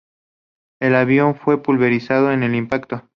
El avión fue pulverizado en el impacto.